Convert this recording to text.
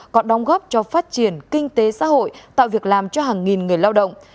còn đóng góp cho phát triển kinh tế xã hội tạo việc làm cho hàng nghìn người lao động